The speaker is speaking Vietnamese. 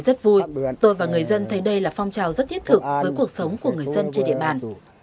rất vui tôi và người dân thấy đây là phong trào rất thiết thực với cuộc sống của người dân trên địa bàn